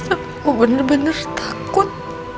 aku bener bener takut